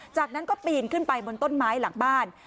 จากนั้นก็ปีนขึ้นไปบนต้นไม้หลังบ้าน